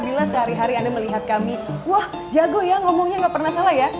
bila sehari hari anda melihat kami wah jago ya ngomongnya gak pernah salah ya